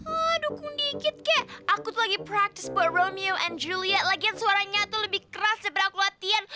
aduh kundikit kek aku tuh lagi praktis buat romeo and juliet lagian suaranya tuh lebih keras daripada aku latihan